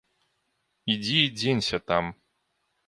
Ідзі і дзенься там.